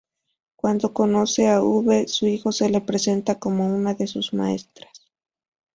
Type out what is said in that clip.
Cuando conoce a Uve su hijo se la presenta como una de sus maestras.